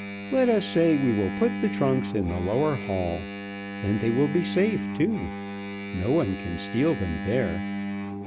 Let us say we will put the trunks in the lower hall. Then they will be safe, too. No one can steal them there.